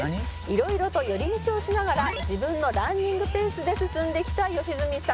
「色々と寄り道をしながら自分のランニングペースで進んできた良純さん」